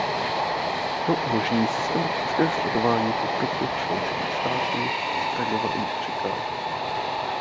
To umožní systematické sledování pokroku členských států v odstraňování překážek.